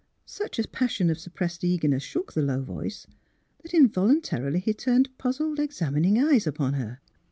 " Such a passion of suppressed eagerness shook the low voice, that involuntarily he turned puzzled, examining eyes upon her.